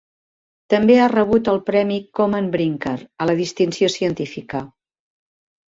També ha rebut el premi Komen Brinker a la Distinció Científica.